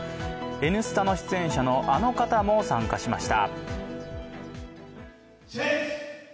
「Ｎスタ」の出演者のあの方も参加しました。